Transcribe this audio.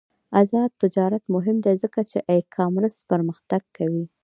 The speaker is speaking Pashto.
آزاد تجارت مهم دی ځکه چې ای کامرس پرمختګ کوي.